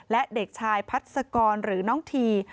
และเด็กชายพัศกรหรือน้องที